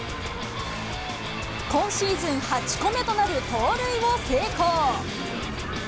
今シーズン８個目となる盗塁を成功。